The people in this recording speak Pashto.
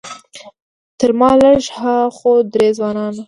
تر ما لږ ها خوا درې ځوانان وو.